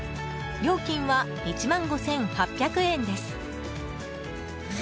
料金は１万５８００円です。